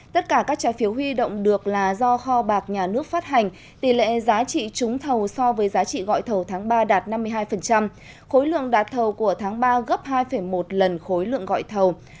tất cả các trái phiếu huy động được là do kho bạc nhà nước phát hành tỷ lệ giá trị trúng thầu so với giá trị gọi thầu tháng ba đạt năm mươi hai khối lượng đạt thầu của tháng ba gấp hai một lần khối lượng gọi thầu